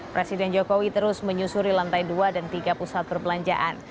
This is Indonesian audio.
presiden jokowi terus menyusuri lantai dua dan tiga pusat perbelanjaan